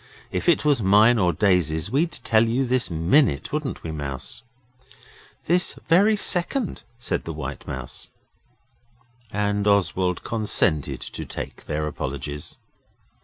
If it was mine or Daisy's we'd tell you this minute, wouldn't we, Mouse?' 'This very second,' said the White Mouse. And Oswald consented to take their apologies.